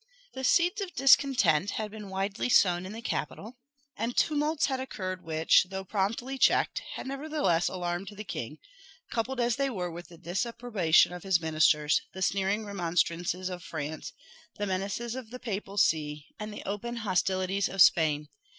The seeds of discontent had been widely sown in the capital; and tumults had occurred which, though promptly checked, had nevertheless alarmed the king, coupled as they were with the disapprobation of his ministers, the sneering remonstrances of France, the menaces of the Papal See, and the open hostilities of Spain.